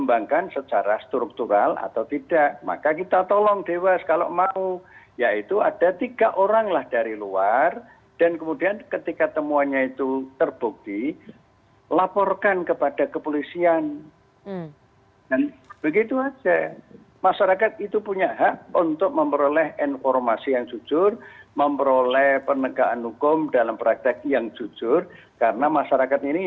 belum tentu mau menindak lanjuti